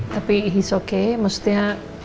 tapi dia oke maksudnya